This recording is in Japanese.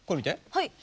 はい。